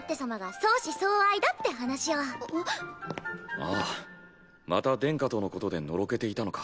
ああまた殿下とのことでのろけていたのか。